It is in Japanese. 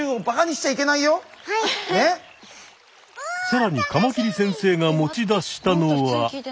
さらにカマキリ先生が持ち出したのは。